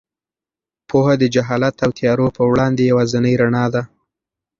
پوهه د جهالت او تیارو په وړاندې یوازینۍ رڼا ده.